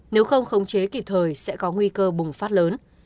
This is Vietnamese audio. nếu không khống chế kịp thời sẽ có nguy cơ bùng phát lớn